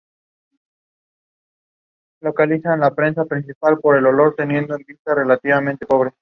En ese año pasó a dirigir la embajada de Ecuador en España.